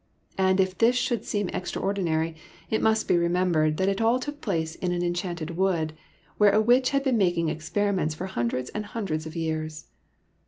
And if this should seem extraordinary, it must be remembered that it all took place in an enchanted wood, where a witch had been making experiments for hun dreds and hundreds of years.